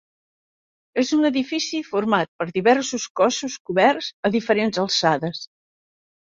És un edifici format per diversos cossos coberts a diferents alçades.